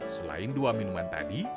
selain dua minuman tadi